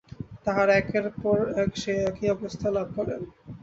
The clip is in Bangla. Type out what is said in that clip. তাঁহারা একের পর এক সেই একই অবস্থা লাভ করেন।